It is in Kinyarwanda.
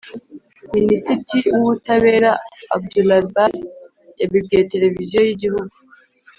minisiti w’ubutabera abdulbari yabibwiye televiziyo y’igihugu.